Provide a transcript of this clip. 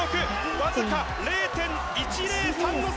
わずか０．１３の差！